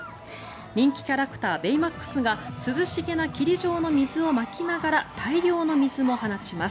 人気キャラクターベイマックスが涼しげな霧状の水をまきながら大量の水も放ちます。